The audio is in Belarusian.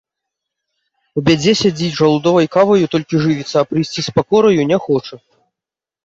У бядзе сядзіць, жалудовай каваю толькі жывіцца, а прыйсці з пакораю не хоча.